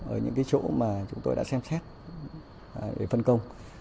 ở những cái chỗ mà chúng tôi đã xem xét để phân công